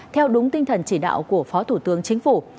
theo đúng tinh thần chỉ đạo của phó thủ tướng chính phủ